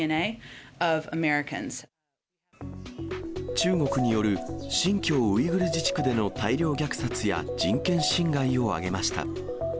中国による新疆ウイグル自治区での大量虐殺や、人権侵害を挙げました。